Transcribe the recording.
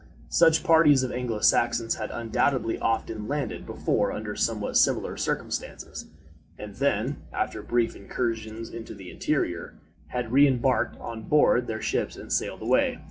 Such parties of Anglo Saxons had undoubtedly often landed before under somewhat similar circumstances, and then, after brief incursions into the interior, had re embarked on board their ships and sailed away.